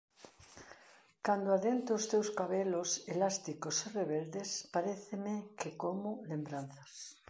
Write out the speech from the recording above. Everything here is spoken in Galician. Cando adento os teus cabelos elásticos e rebeldes, paréceme que como lembranzas.